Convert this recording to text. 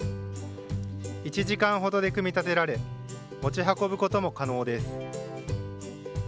１時間ほどで組み立てられ、持ち運ぶことも可能です。